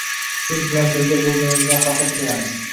Siz bilan birga bo‘lganimizdan faxr tuyamiz!»